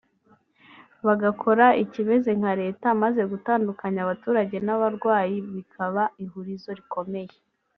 bagakora ikimeze nka Leta maze gutandukanya abaturage n’abarwanyi bikaba ihurizo rikomeye